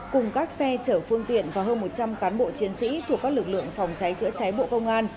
cùng các xe chở phương tiện và hơn một trăm linh cán bộ chiến sĩ thuộc các lực lượng phòng cháy chữa cháy bộ công an